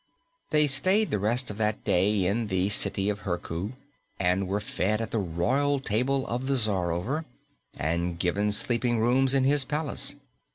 They stayed the rest of that day in the City of Herku and were fed at the royal table of the Czarover and given sleeping rooms in his palace.